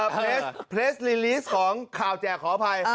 เพลสลีลีสของข่าวแจกขออภัย